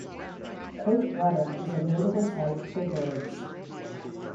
Coate Water is a notable site for birds.